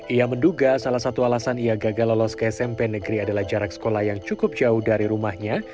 ia menduga salah satu alasan ia gagal lolos ke smp negeri adalah jarak sekolah yang cukup jauh dari rumahnya